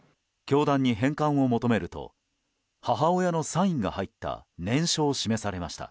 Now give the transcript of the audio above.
教団に返還を求めると母親のサインが入った念書を示されました。